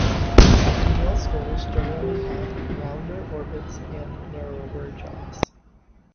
Female skulls generally have rounder orbits, and narrower jaws.